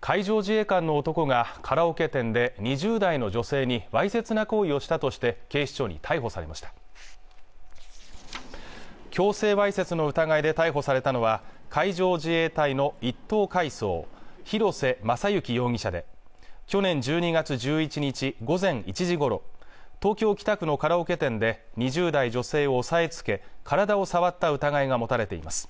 海上自衛官の男がカラオケ店で２０代の女性にわいせつな行為をしたとして警視庁に逮捕されました強制わいせつの疑いで逮捕されたのは海上自衛隊の１等海曹広瀬正行容疑者で去年１２月１１日午前１時ごろ東京北区のカラオケ店で２０代女性を押さえつけ体を触った疑いが持たれています